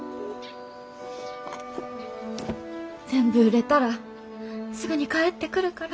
全部売れたらすぐに帰ってくるから。